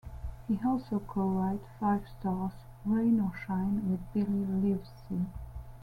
He also co-wrote Five Star's "Rain or Shine" with Billy Livsey.